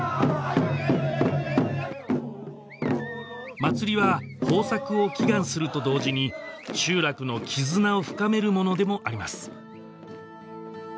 祭りは豊作を祈願すると同時に集落の絆を深めるものでもあります